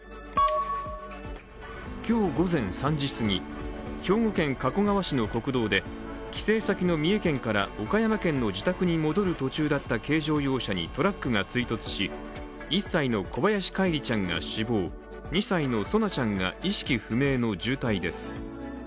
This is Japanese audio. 今日午前３時すぎ、兵庫県加古川市の国道で帰省先の三重県から岡山県の自宅に戻る途中だった軽乗用車にトラックが追突し、１歳の小林叶一里ちゃんが死亡、２歳の蒼菜ちゃんが意識不明の重体です。